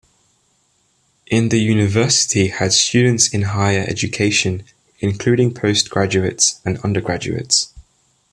In the university had students in higher education, including postgraduates and undergraduates.